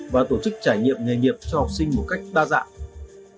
và tổ chức trải nghiệm nghề nghiệp cho học sinh một cách đa dạng